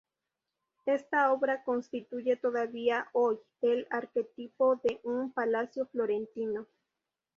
Esta obra constituye, todavía hoy, el arquetipo de un palacio florentino.